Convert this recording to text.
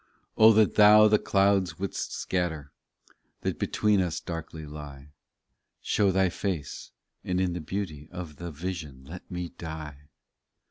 11 O that Thou the clouds would st scatter That between us darkly lie, Show Thy face, and in the beauty Of the vision let me die.